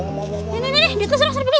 nih nih nih ditus dong serpi pipi